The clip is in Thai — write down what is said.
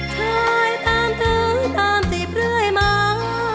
ช่ายตามตื้อตามสีเพลื่อยมา